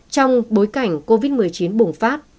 trong bối cảnh covid một mươi chín bùng phát